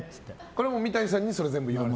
これは三谷さんに全部言われて。